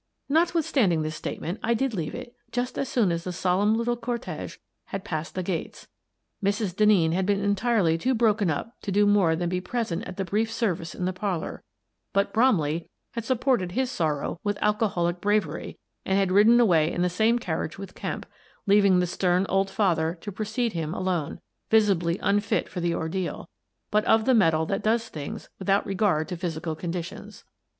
Notwithstanding this statement, I did leave it just as soon as the solemn little cortege had passed the gates. Mrs. Denneen had been entirely too broken up to do more than be present at the brief service in the parlour, but Bromley had supported his sorrow with alcoholic bravery and had ridden away in the same carriage with Kemp, leaving the stern old father to precede him alone, visibly unfit for the ordeal, but of the metal that does things without regard to physical conditions.